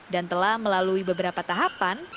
dan telah melalui beberapa tahapan